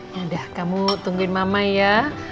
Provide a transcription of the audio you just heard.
yaudah kamu tungguin mama ya